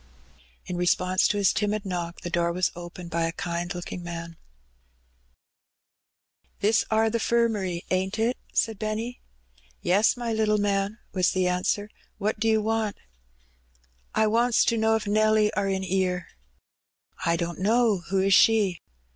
In response to his timid knock the door was opened by a kind looking man. 114 Her Benny, This are the 'firmary, ain't it?'' said Benny. Yes, my little man/' was the answer. "What do you want?'' '^ I wants to know if Nelly are in 'ere ?" "I don't know. Who is she?"